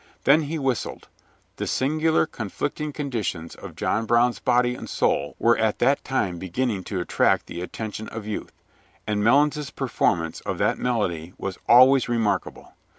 Then he whistled. The singular conflicting conditions of John Brown's body and soul were at that time beginning to attract the attention of youth, and Melons's performance of that melody was always remarkable.